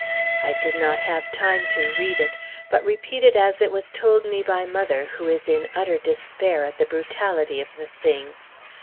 I did not have time to read it, but repeat it as it was told to me by mother, who is in utter despair at the brutality of the thing.